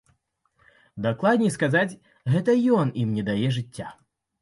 Дакладней сказаць, гэта ён ім не дае жыцця.